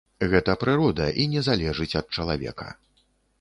Гэта прырода і не залежыць ад чалавека.